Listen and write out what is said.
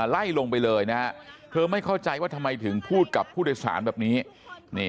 ไล่ลงไปเลยนะฮะเธอไม่เข้าใจว่าทำไมถึงพูดกับผู้โดยสารแบบนี้